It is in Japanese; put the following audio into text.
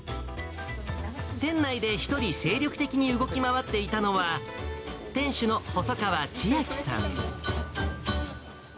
店内で一人、精力的に動き回っていたのは、店主の細川千秋さん。